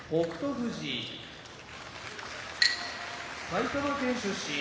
富士埼玉県出身